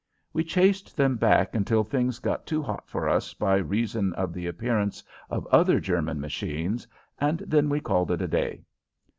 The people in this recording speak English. We chased them back until things got too hot for us by reason of the appearance of other German machines, and then we called it a day.